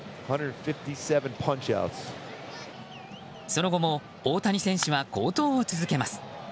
その後も大谷選手は好投を続けます。